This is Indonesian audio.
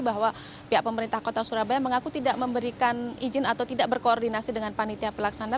bahwa pihak pemerintah kota surabaya mengaku tidak memberikan izin atau tidak berkoordinasi dengan panitia pelaksana